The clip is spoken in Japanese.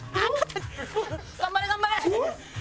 頑張れ頑張れ！